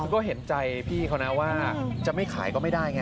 ก็เห็นใจพี่เขานะว่าจะไม่ขายก็ไม่ได้ไง